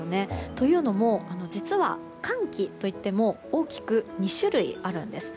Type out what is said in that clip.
というのも実は、寒気といっても大きく２種類あるんです。